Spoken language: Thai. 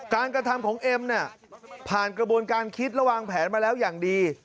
การกระทำของเอ็มผ่านกระบวนการคิดระวังแผนมาแล้วอย่างดี